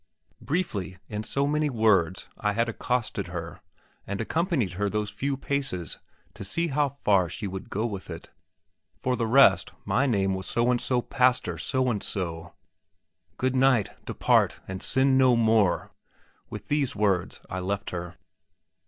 Briefly, in so many words, I had accosted her, and accompanied her those few paces, to see how far she would go on with it. For the rest, my name was So and so Pastor So and so. "Good night; depart, and sin no more!" With these words I left her.